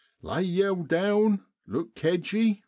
Lay yow down, look kedgey